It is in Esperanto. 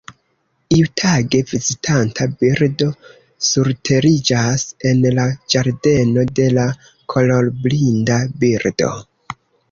Iutage, vizitanta birdo surteriĝas en la ĝardeno de la kolorblinda birdo.